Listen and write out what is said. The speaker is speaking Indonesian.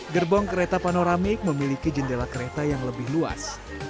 gerbong kereta panoramik memiliki jendela kereta yang lebih luas